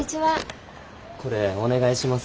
これお願いします。